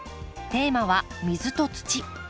テーマは「水と土」。